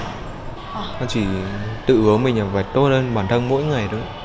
con chỉ tự ước mình là phải tốt hơn bản thân mỗi ngày thôi